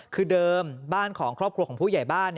คือเดิมบ้านของครอบครัวของผู้ใหญ่บ้าน